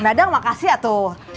nggak ada makasih atuh